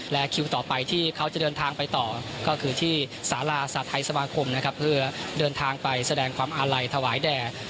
และคิวต่อไปที่เขาจะเดินทางไปต่อก็คือที่สาราสัตว์ไทยสมาคมนะครับเพื่อเดินทางไปแสดงความอาลัยถวายแด่